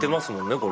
これ。